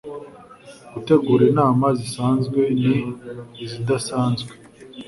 gutegura inama zisanzwe n izidasanzwe